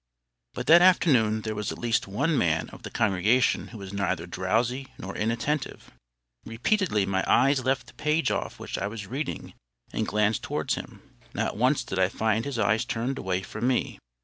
But that afternoon there was at least one man of the congregation who was neither drowsy nor inattentive. Repeatedly my eyes left the page off which I was reading and glanced towards him. Not once did I find his eyes turned away from me.